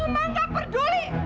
mama gak peduli